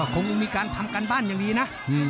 คงมีการทำการบ้านอย่างดีนะ